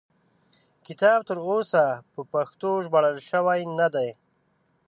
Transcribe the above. کتاب تر اوسه په پښتو ژباړل شوی نه دی.